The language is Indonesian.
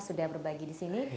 sudah berbagi di sini